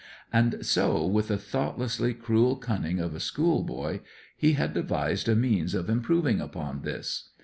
And so, with the thoughtlessly cruel cunning of a schoolboy, he had devised a means of improving upon this.